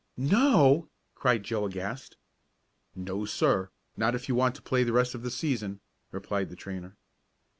"No!" cried Joe aghast. "No, sir! Not if you want to play the rest of the season," replied the trainer.